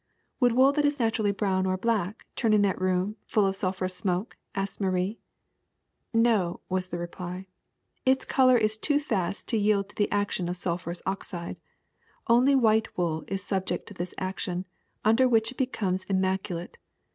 ''Would wool that is naturally brown or black turn in that room full of sulphur smoke!'* asked Marie. *^No," was the reply; '^its color is too fast to yield to the action of sulphurous oxide. Only white wool is subject to this action, under which it becomes im maculate.